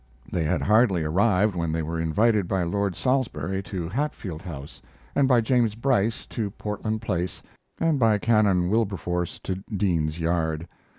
They had hardly arrived when they were invited by Lord Salisbury to Hatfield House, and by James Bryce to Portland Place, and by Canon Wilberforce to Dean's Yard.